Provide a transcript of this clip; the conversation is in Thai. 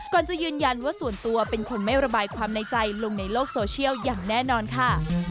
จะยืนยันว่าส่วนตัวเป็นคนไม่ระบายความในใจลงในโลกโซเชียลอย่างแน่นอนค่ะ